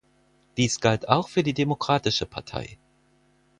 Dies galt auch für die Demokratische Partei.